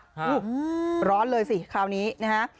ร้อนเลยสิคราวนี้นะฮะ